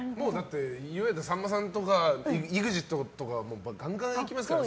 いわゆる、さんまさんとかＥＸＩＴとかガンガン行きますよね